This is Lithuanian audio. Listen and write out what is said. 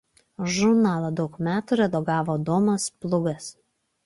Žurnalą daug metų redagavo Adomas Plugas.